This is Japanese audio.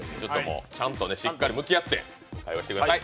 ちゃんとしっかり向き合って会話してください